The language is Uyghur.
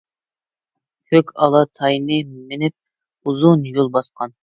كۆك ئالا تاينى مىنىپ، ئۇزۇن يول باسقان.